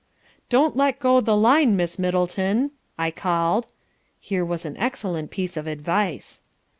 "Don't let go the line, Miss Middleton,' I called. (Here was an excellent piece of advice.)